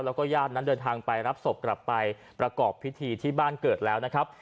แล้วก็ญาตินั้นเดินทางไปรับศพกลับไปประกอบพิธีที่บ้านเกิดแล้วนะครับ